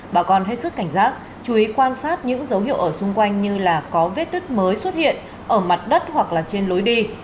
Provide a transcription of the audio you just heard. bà con hết sức cảnh giác chú ý quan sát những dấu hiệu ở xung quanh như là có vết đất mới xuất hiện ở mặt đất hoặc là trên lối đi